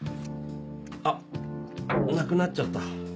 あっなくなっちゃった。